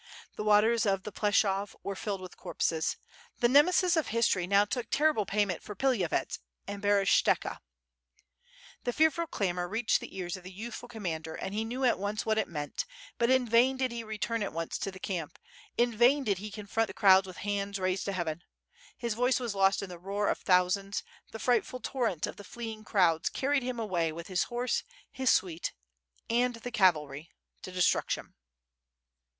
The waters of the Pleshov were filled with corpses. The Nemesis of history now took terrible payment for Pilavyets and Berest^ohka. The fearful clamor reached the ears of the youthful com mander, and he knew at once what it meant, but in vain did he return at once to the camp, in vain did he confront the crowds with hands raised to heaven. His voice was lost in the roar of thousands, the frightful torrent of the fleeing crowds carried him away with his horse, his suite, and the cavalry, to destruction.